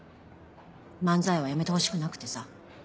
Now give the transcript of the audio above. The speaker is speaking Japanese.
漫才はやめてほしくなくてさ。